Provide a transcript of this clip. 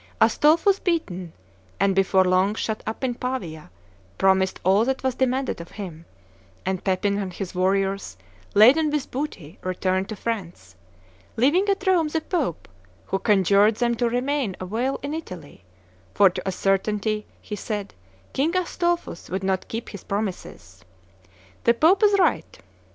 Astolphus beaten, and, before long, shut up in Pavia, promised all that was demanded of him; and Pepin and his warriors, laden with booty, returned to France, leaving at Rome the Pope, who conjured them to remain a while in Italy, for to a certainty, he said, king Astolphus would not keep his promises. The Pope was right.